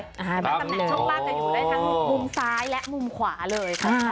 ตำแหน่งช่องล่างจะอยู่ได้ทั้งมุมซ้ายและมุมขวาเลย